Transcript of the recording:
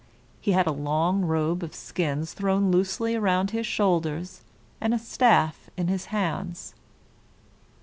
He had a long robe of skins thrown loosely around his shoulders, and a staff in his hands.